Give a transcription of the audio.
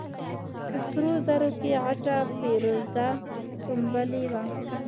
په سرو زرو کې غټه فېروزه ټومبلې وه.